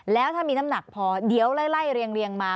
แล้วถ้ามีน้ำหนักพอเดี๋ยวไล่เรียงมา